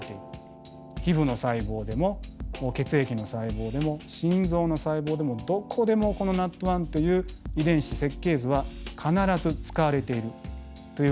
皮ふの細胞でも血液の細胞でも心臓の細胞でもどこでもこのＮＡＴ１という遺伝子設計図は必ず使われているということが分かりました。